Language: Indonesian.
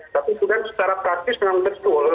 tapi itu kan secara praktis memang betul